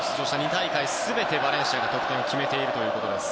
２大会全てバレンシアが得点を決めています。